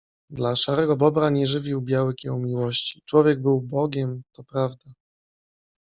Dla Szarego Bobra nie żywił Biały kieł miłości. Człowiek był bogiem, to prawda